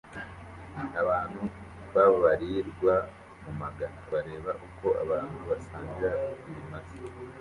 Abantu babarirwa mu magana bareba uko abantu basangira ibimasa